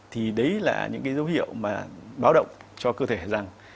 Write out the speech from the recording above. thì đấy là những cái dấu hiệu mà báo động cho cơ thể rằng